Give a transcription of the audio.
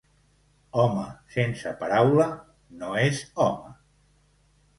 Home sense paraula no és home.